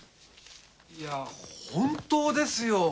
いや本当ですよ